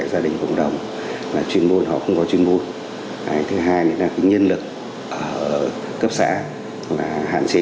gia đình cộng đồng chuyên môn họ không có chuyên môn thứ hai là nhân lực ở cấp xã hạn chế